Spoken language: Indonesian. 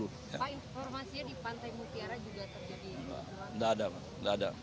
pak informasinya di pantai mutiara juga terjadi